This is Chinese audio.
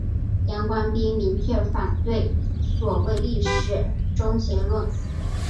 杨光斌明确反对所谓历史终结论。